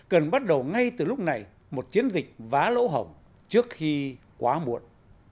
cần bắt đầu ngay từ lúc này một chiến dịch vá lỗ hồng trước khi quá muộn